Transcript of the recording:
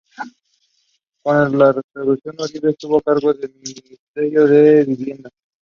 Con la reestructuración Uribe estuvo a cargo del Ministerio de Vivienda.